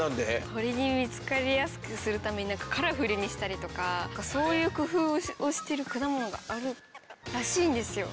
鳥に見つかりやすくするために何かカラフルにしたりとかそういう工夫をしてる果物があるらしいんですよ。